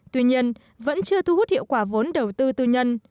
tuy nhiên vẫn chưa thu hút hiệu quả vốn đầu tư tư nhân